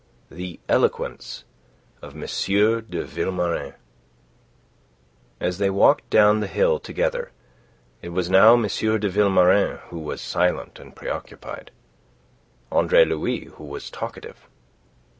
THE ELOQUENCE OF M. DE VILMORIN As they walked down the hill together, it was now M. de Vilmorin who was silent and preoccupied, Andre Louis who was talkative.